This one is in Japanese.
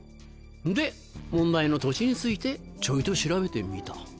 で問題の土地についてちょいと調べてみた。